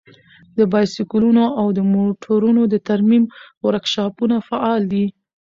د بايسکلونو او موټرونو د ترمیم ورکشاپونه فعال دي.